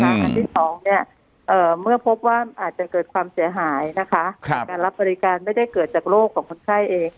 อันที่๒เมื่อพบว่าอาจจะเกิดความเสียหายนะคะการรับบริการไม่ได้เกิดจากโรคของคนไข้เอง